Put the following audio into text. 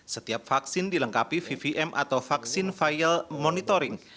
setiap vaksin dilengkapi vvm atau vaksin file monitoring